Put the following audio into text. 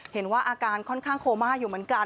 เห็นว่าอาการค่อนข้างโคม่าอยู่เหมือนกัน